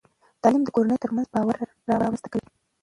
تعلیم د کورنۍ ترمنځ باور رامنځته کوي.